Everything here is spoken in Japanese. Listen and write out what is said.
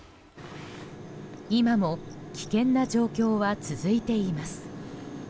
今も危険な状況は続いています。